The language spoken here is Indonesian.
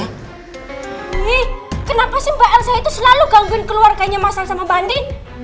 ini kenapa sih mbak elsa itu selalu gangguin keluarganya masal sama bandit